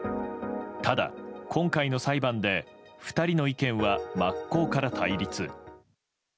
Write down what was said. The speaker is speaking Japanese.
ただ、今回の裁判で２人の意見は真っ向から対立。